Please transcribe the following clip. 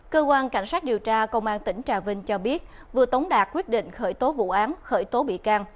cơ quan cảnh sát điều tra công an tỉnh trà vinh cho biết vừa tống đạt quyết định khởi tố vụ án khởi tố bị can